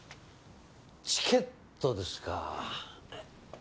チケットですか。